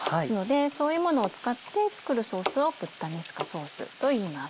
そういうものを使って作るソースをプッタネスカソースといいます。